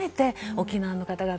沖縄の方々